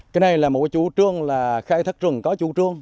cái này là một chủ trương là khai thác rừng có chủ trương